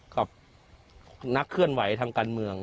กับนักเคลื่อนไหวทางการเมือง